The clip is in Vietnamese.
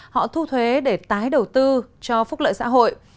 họ thu thuế để tái đầu tư cho phúc lợi xã hội